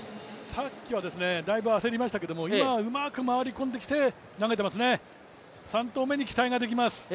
さっきはだいぶ焦りましたけれども、今はうまく回り込んできて投げてますね。